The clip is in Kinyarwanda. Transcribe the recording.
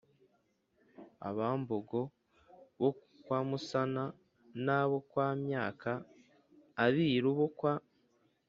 Abambogo bo kwa Musana n abo kwa Myaka Abiru bo kwa